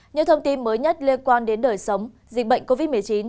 những thông tin mới nhất liên quan đến đời sống dịch bệnh covid một mươi chín